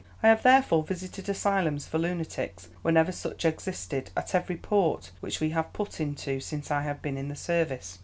I have therefore visited asylums for lunatics whenever such existed, at every port which we have put into since I have been in the service.